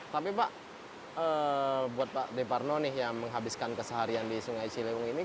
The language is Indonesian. jadi pak buat pak deparno nih yang menghabiskan keseharian di sungai ciliwung ini